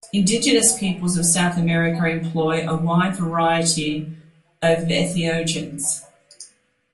Indigenous peoples of South America employ a wide variety of entheogens.